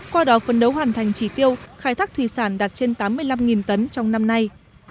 qua đó phân đấu hoàn thành chỉ tiêu khai thác thủy sản đạt trên tám mươi năm tấn trong năm nay